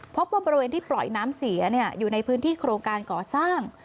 พบว่าบริเวณที่ปล่อยน้ำเสียอยู่ในพื้นที่โครงการก่อสร้าง